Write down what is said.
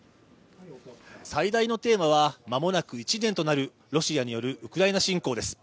最大のテーマはまもなく１年となるロシアによるウクライナ侵攻です